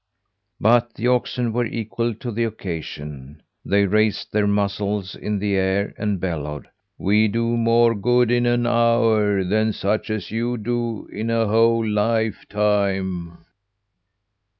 But the oxen were equal to the occasion. They raised their muzzles in the air and bellowed: "We do more good in an hour than such as you do in a whole lifetime."